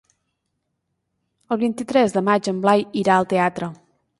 El vint-i-tres de maig en Blai irà al teatre.